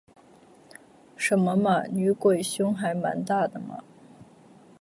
什么嘛，女鬼胸还蛮大的嘛